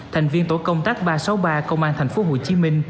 thành viên tổ công tác ba trăm sáu mươi ba công an tp hcm